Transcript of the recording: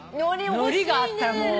のりがあったらもう完璧。